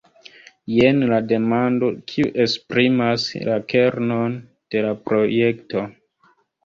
Jen la demando kiu esprimas la kernon de la projekto.